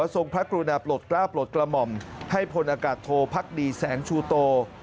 ทรงพระกรุณาปลดกล้าปลดกระหม่อมให้พลอากาศโทพักดีแสงชูโต